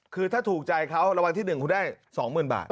คือถ้าถูกใจเขารางวัลที่๑คุณได้๒๐๐๐บาท